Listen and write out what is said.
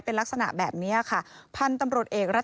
พ่อพูดว่าพ่อพูดว่าพ่อพูดว่าพ่อพูดว่า